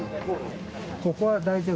ここは大丈夫？